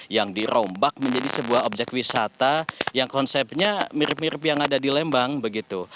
yang dirombak menjadi sebuah objek wisata yang konsepnya mirip mirip yang ada di lembang begitu